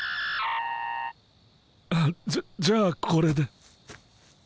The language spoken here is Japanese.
あっじゃあこれで。